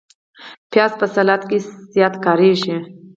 پیاز په سلاد کې زیات کارېږي